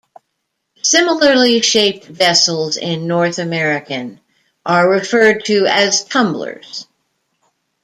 Similarly shaped vessels in North American are referred to as tumblers.